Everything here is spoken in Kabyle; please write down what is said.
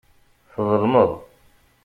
Tḍelmeḍ.